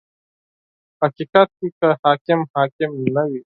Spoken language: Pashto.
• په حقیقت کې که حاکم حاکم نه وي.